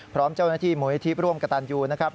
พร้อมเจ้าหน้าที่มูลนิธิร่วมกระตันยูนะครับ